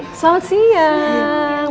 eh selamat siang